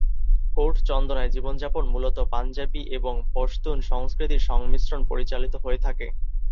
Coat চন্দনায় জীবনযাপন মূলত পাঞ্জাবি এবং পশতুন সংস্কৃতির সংমিশ্রণ পরিচালিত হয়ে থাকে।